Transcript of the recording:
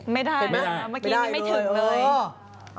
ไม่ได้เมื่อกี้ไม่ถึงเลย